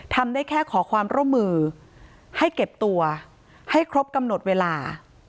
ทำได้แค่ขอความร่วมมือให้เก็บตัวให้ครบกำหนดเวลา